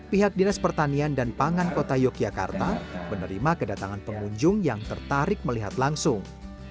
pihak dinas pertanian dan pangan kota yogyakarta menerima kedatangan pengunjung yang tertarik melihat langsung